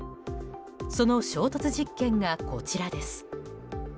その衝突実験がこちらです。